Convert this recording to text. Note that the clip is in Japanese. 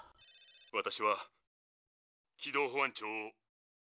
私は軌道保安庁を。